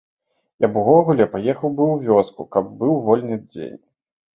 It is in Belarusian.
Я б увогуле паехаў бы ў вёску, каб быў вольны дзень.